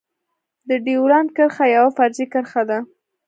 د ډيورند کرښه يوه فرضي کرښه ده.